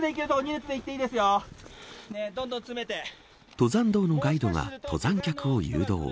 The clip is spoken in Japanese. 登山道のガイドが登山客を誘導。